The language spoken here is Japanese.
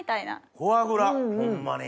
フォアグラ！ホンマに。